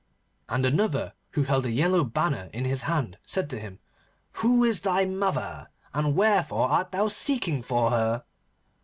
And another, who held a yellow banner in his hand, said to him, 'Who is thy mother, and wherefore art thou seeking for her?